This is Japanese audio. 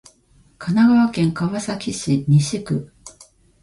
神奈川県川崎市西区